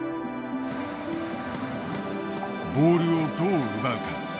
ボールをどう奪うか。